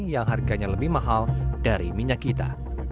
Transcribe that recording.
yang harganya lebih mahal dari minyak kita